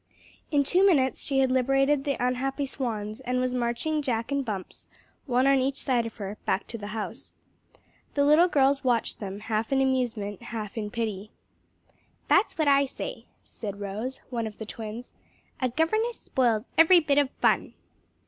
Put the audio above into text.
In two minutes she had liberated the unhappy swans and was marching Jack and Bumps one on each side of her back to the house. The little girls watched them, half in amusement half in pity. "That's what I say," said Rose, one of the twins, "a governess spoils every bit of fun!"